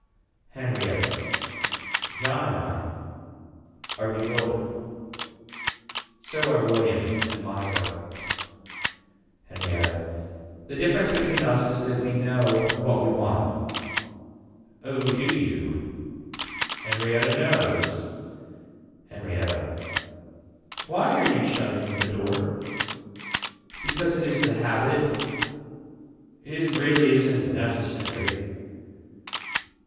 Henrietta. John and I are bewildered. So are William and Monica. Henrietta. The difference between us is that we know what we want. Oh do you. Henrietta knows. Henrietta. Why are you shutting the door. Because it is the habit. It really isn't necessary.